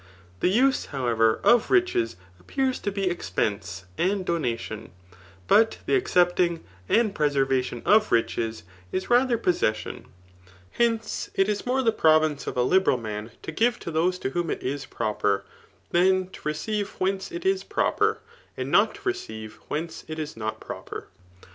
The use, however, of riches appears to be expense and donation ; but the accepting and preservation of riches, is rather possession* Hence, it is mace the province of a libendi man to give to those to wfcom it is proper, than to receive whence it is proper, and nctt to receive whence it is not proper.